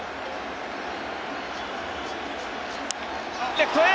レフトへ！